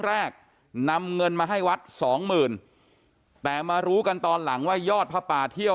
แรกนำเงินมาให้วัดสองหมื่นแต่มารู้กันตอนหลังว่ายอดผ้าป่าเที่ยว